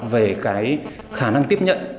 về cái khả năng tiếp nhận